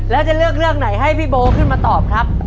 แล้วจะเลือกเรื่องไหนให้พี่โบขึ้นมาตอบครับ